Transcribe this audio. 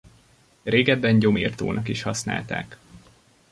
Régebben gyomirtónak is használták.